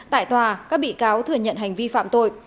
tại tòa các bị cáo thừa nhận hành vi phạm tội